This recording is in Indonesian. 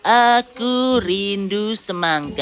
aku rindu semangka